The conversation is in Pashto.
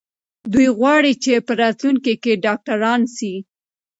دوی غواړي چې په راتلونکي کې ډاکټران سي.